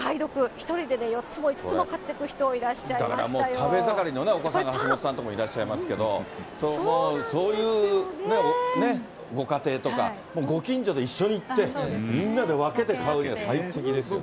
１人で４つも５つも買ってく人、だからもう、食べ盛りのお子さんが橋下さんのところにもいらっしゃいますけれども、もうそういうね、ご家庭とか、もうご近所で一緒に行って、みんなで分けて買うには最高にいいですよね。